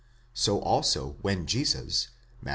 So also when Jesus (Matt.